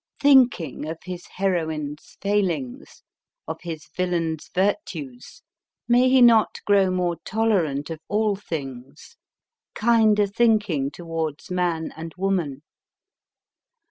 Thinking of his heroine s failings, of his villain s virtues, may he not grow more tolerant of all things, kinder thinking towards man and woman